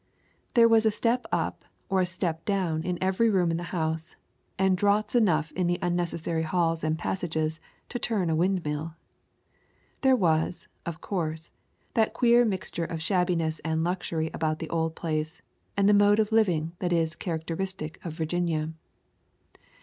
There was a step up or a step down in every room in the house, and draughts enough in the unnecessary halls and passages to turn a windmill. There was, of course, that queer mixture of shabbiness and luxury about the old place and the mode of living that is characteristic of Virginia.